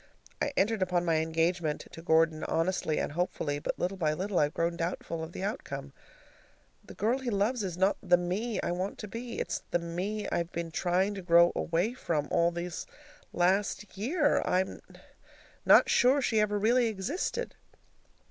I entered upon my engagement to Gordon honestly and hopefully, but little by little I've grown doubtful of the outcome. The girl he loves is not the ME I want to be. It's the ME I've been trying to grow away from all this last year. I'm not sure she ever really existed.